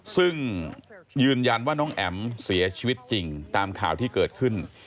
ซึ่งยืนยันว่าน้องแอ๋มเสียชีวิตจริงตามข่าวที่เกิดขึ้น